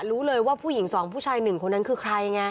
รู้เลยว่าผู้หญิงสองผู้ชายหนึ่งคนนั้นคือใครไง